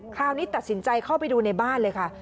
คราวนี้ตัดสินใจเข้าไปดูในบ้านเลยค่ะ